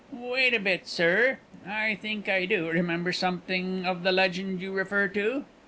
"Wait a bit, sir; I think I do remember something of the legend you refer to.